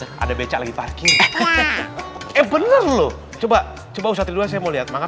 di sini ada ada becak lagi parkir ya eh bener lo coba coba ustad breed rasanya mualiat maka